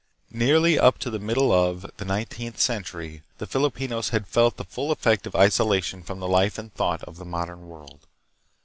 Nearly up to the middle of. the nine teenth century the Filipinos had felt the full effect of isolation from the life and thought of the modern world.